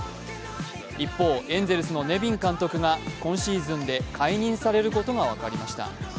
一方、エンゼルスのネビン監督が今シーズンで解任されることが分かりました。